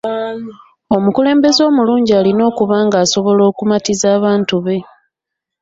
Omukulembeze omulungi alina okuba ng'asobola okumatiza abantu be.